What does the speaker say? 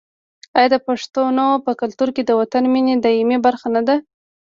آیا د پښتنو په کلتور کې د وطن مینه د ایمان برخه نه ده؟